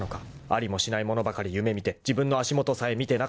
［ありもしないものばかり夢見て自分の足元さえ見てなかったのだ］